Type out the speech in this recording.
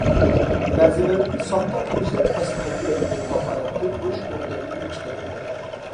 بەزىبىر، ساختا تىنچلىق ئاستىغا كۆمۈلگەن ھاقارەتتىن ئۇرۇش ئوتلىرى ئۈنۈپ چىقىدۇ.